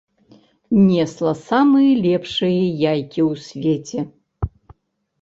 Несла самыя лепшыя яйкі ў свеце.